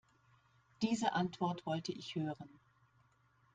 Diese Antwort wollte ich hören.